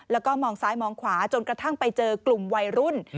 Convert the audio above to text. แล้วก็มองซ้ายมองขวาจนกระทั่งไปเจอกลุ่มวัยรุ่น